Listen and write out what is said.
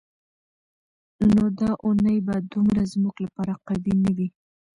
نو دا اونۍ به دومره زموږ لپاره قوي نه وي.